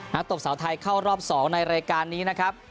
ตบสาวไทยเข้ารอบ๒ในรายการนี้นะครับ